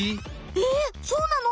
えそうなの？